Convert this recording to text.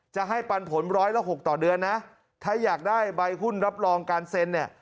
จะให้ปันผลร้อยละหกต่อเดือนนะถ้าอยากได้ใบหุ้นรับรองการเซ็นเนี่ย